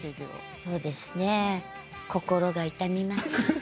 そうですね心が痛みます。